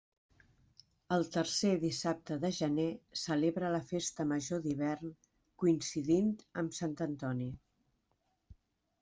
El tercer dissabte de gener celebra la festa major d'hivern, coincidint amb sant Antoni.